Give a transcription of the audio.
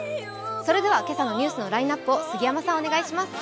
それでは今朝のニュースのラインナップを杉山さん、お願いします。